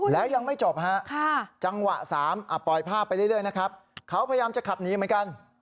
แล้วยังไม่จบฮะจังหวะ๓ปล่อยภาพไปเรื่อยนะครับเขาพยายามจะขับหนีเหมือนกัน